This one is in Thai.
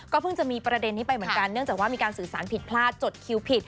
เพิ่งจะมีประเด็นนี้ไปเหมือนกันเนื่องจากว่ามีการสื่อสารผิดพลาดจดคิวผิด